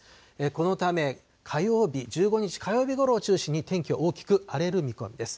このため火曜日、１５日火曜日ごろを中心に天気は大きく荒れる見込みです。